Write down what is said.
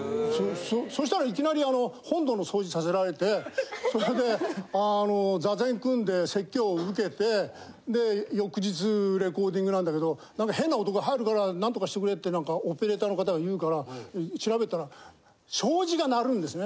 そしたらいきなり本堂の掃除させられてそれであの坐禅組んで説教を受けてで翌日レコーディングなんだけど変な音が入るから何とかしてくれってオペレーターの方が言うから調べたら障子が鳴るんですね。